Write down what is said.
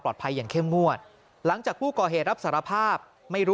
อย่างเข้มงวดหลังจากผู้ก่อเหตุรับสารภาพไม่รู้